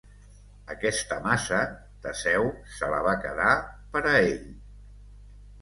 Aquesta maça Teseu se la va quedar per a ell.